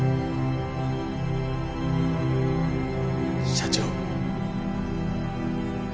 社長。